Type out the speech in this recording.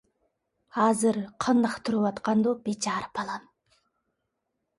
ھازىر قانداق تۇرۇۋاتقاندۇ بىچارە بالام...